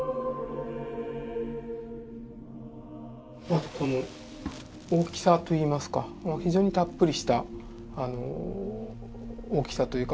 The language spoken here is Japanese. まずこの大きさといいますか非常にたっぷりした大きさというか存在感ですね。